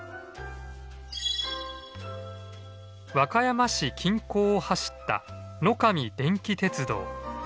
和歌山市近郊を走った野上電気鉄道。